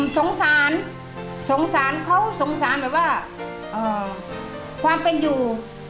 สงสารสงสารเขาสงสารแบบว่าความเป็นอยู่